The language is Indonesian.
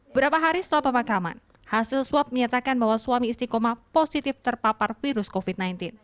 berapa hari setelah pemakaman hasil swab menyatakan bahwa suami istiqomah positif terpapar virus covid sembilan belas